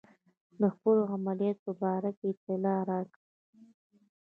د خپلو عملیاتو په باره کې اطلاع راکړئ.